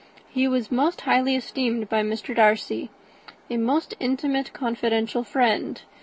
He was most highly esteemed by Mr. Darcy, a most intimate, confidential friend.